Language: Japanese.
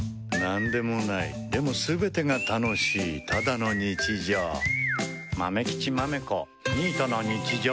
何でもない、でも全てが楽しいただの日常。